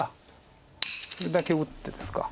これだけ打ってですか。